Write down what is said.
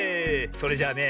それじゃあね